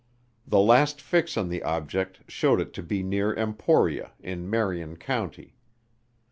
The last fix on the object showed it to be near Emporia, in Marion County.